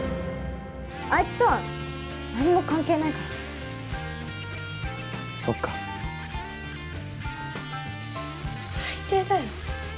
あいつとは何も関係ないからそっか最低だよ